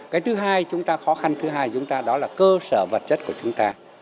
cái thứ hai chúng ta khó khăn thứ hai chúng ta đó là cơ sở vật chất của chúng ta